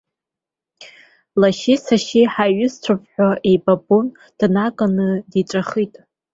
Лашьеи сашьеи ҳаиҩызцәоуп ҳәа еибабон, днаганы диҵәахит.